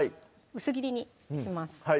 薄切りにします